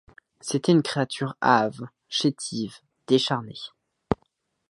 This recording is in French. C'était une créature hâve, chétive, décharnée.